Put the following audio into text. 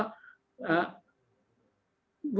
lokal wisdom ini harus dihiasi